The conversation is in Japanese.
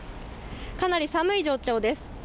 かなり寒い状況です。